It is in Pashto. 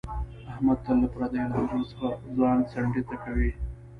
احمد تل له پردیو لانجو ځان څنډې ته کوي.